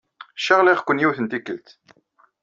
Caɣliɣ-ken yiwet n tikkelt.